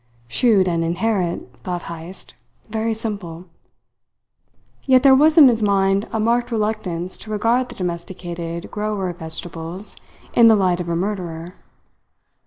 "Shoot and inherit," thought Heyst. "Very simple." Yet there was in his mind a marked reluctance to regard the domesticated grower of vegetables in the light of a murderer.